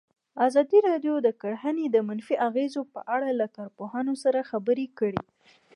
ازادي راډیو د کرهنه د منفي اغېزو په اړه له کارپوهانو سره خبرې کړي.